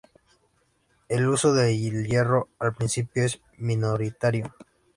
El uso del hierro al principio es minoritario.